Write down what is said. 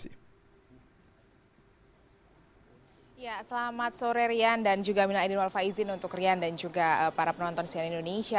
ya selamat sore rian dan juga minaidin walfaizin untuk rian dan juga para penonton sian indonesia